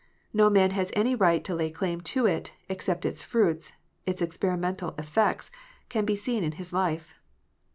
No man has any right to lay claim to it, except its fruits its experimental effects can be seen in his life.